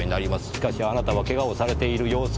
しかしあなたは怪我をされている様子はない。